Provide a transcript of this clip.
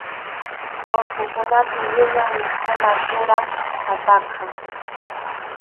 Urqukunapi wiñaq mikhuna yuram papaqa.